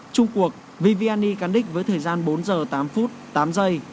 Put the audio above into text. trung cuộc viviani cán đích với thời gian bốn h tám tám giây